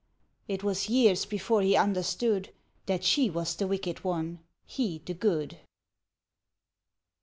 — It was years before he understood That she was the wicked one—he the good.